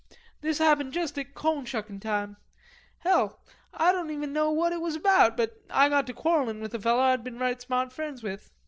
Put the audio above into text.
This happened just at coan shuckin' time. Hell, Ah don't even know what it was about, but Ah got to quarrellin' with a feller Ah'd been right smart friends with.